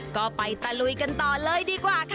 ก็ไปตะลุยกันต่อเลยดีกว่าค่ะ